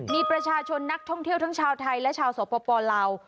มีประชาชนนักท่องเที่ยวทั้งชาวไทยและชาวสปลาว